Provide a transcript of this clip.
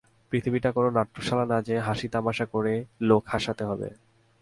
পৃথিবীটা কোনো নাট্যশালা না যে হাসি-তামাশা করে লোক-হাসাতে হবে।